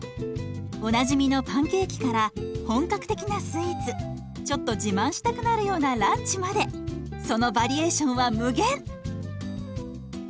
おなじみのパンケーキから本格的なスイーツちょっと自慢したくなるようなランチまでそのバリエーションは無限！